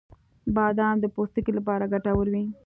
• بادام د پوستکي لپاره ګټور وي.